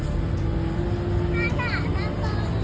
สวัสดีครับคุณผู้ชาย